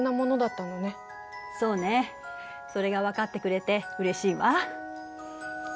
そうねそれが分かってくれてうれしいわ。